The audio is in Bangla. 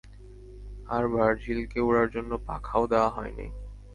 আর, ভার্জিলকে উড়ার জন্য পাখাও দেয়া হয়নি!